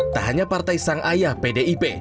tak hanya partai sang ayah pdip